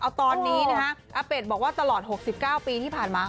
เอาตอนนี้นะฮะอาเป็ดบอกว่าตลอด๖๙ปีที่ผ่านมา